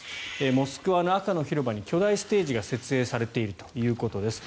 モスクワの赤の広場に巨大ステージが設営されているということです。